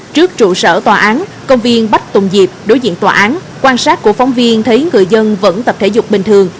trước trụ sở tòa án công viên bách tùng diệp đối diện tòa án quan sát của phóng viên thấy người dân vẫn tập thể dục bình thường